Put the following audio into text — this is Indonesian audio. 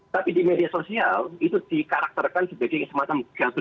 tapi di media sosial itu dikarakterkan sebagai semacam government